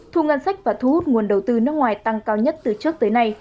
thu ngân sách và thu hút nguồn đầu tư nước ngoài tăng cao nhất từ trước tới nay